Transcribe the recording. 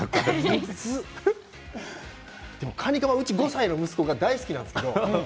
うちの５歳の息子が大好きなんですけど。